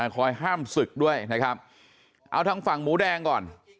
คอยห้ามศึกด้วยนะครับเอาทางฝั่งหมูแดงก่อน